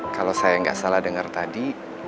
kalau saya nggak salah dengar tadi